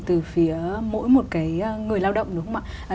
từ phía mỗi một cái người lao động đúng không ạ